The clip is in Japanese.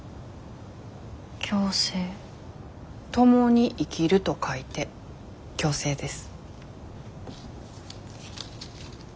共に生きると書いて共生です。